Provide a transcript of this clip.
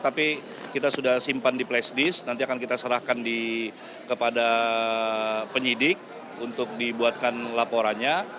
tapi kita sudah simpan di place disk nanti akan kita serahkan kepada penyidik untuk dibuatkan laporannya